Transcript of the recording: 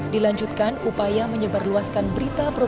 dilanjutkan upaya menyebarluaskan berita berkata yang berkata